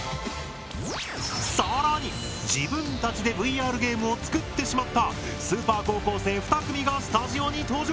更に自分たちでＶＲゲームを作ってしまったスーパー高校生２組がスタジオに登場！